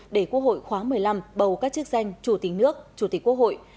để quốc hội khóa một mươi năm bầu các chức danh chủ tịch nước chủ tịch quốc hội